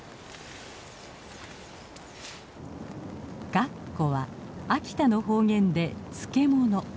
「がっこ」は秋田の方言で漬け物。